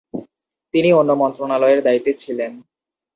তিনি অন্য মন্ত্রণালয়ের দায়িত্বে ছিলেন।